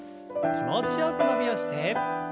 気持ちよく伸びをして。